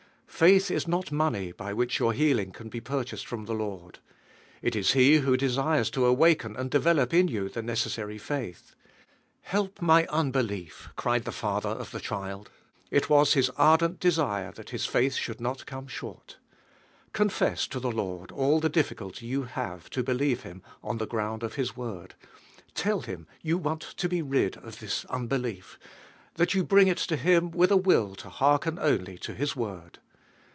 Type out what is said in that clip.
Faith is not money by which your healing can be purchased I1IVINK IIV.MIM! 47 from the Lord. It is He who desires to awaken and develop in you the necessary faith. "Help my unbelief," cried the fath er of the child. H Mas liis anient desire that his faith should, sol come short Confess to the Lord ail the difficulty you have to believe Hiiu on |he ground of His Word; tell llim you waat lo be rid of this unbelief, that you bring it to Him with a will to hearken only |o His Word.